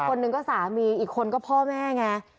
คนหนึ่งก็สามีอีกคนก็พ่อแม่ไง